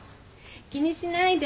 気にしないで。